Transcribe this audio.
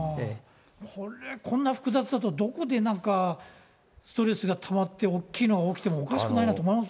これ、こんな複雑だと、どこでなんか、ストレスがたまって大きいのが起きてもおかしくないなと思います